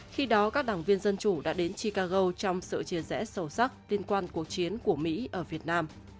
khi đó các đảng viên dân chủ đã đến chicago trong sự chia rẽ sâu sắc liên quan cuộc chiến của mỹ ở việt nam